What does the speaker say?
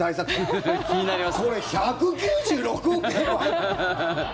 これ、１９６億円。